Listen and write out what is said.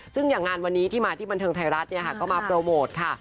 ซึ่งอย่างงานวันนี้ที่มาที่บันเทิงไทยรัฐก็มาโปรโมทค่ะ